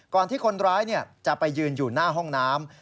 ที่คนร้ายจะไปยืนอยู่หน้าห้องน้ำ